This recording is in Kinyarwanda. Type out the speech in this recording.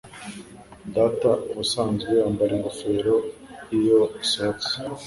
Data ubusanzwe yambara ingofero iyo asohotse.